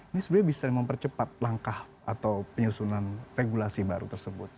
ini sebenarnya bisa mempercepat langkah atau penyusunan regulasi baru tersebut